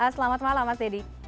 selamat malam mas dedy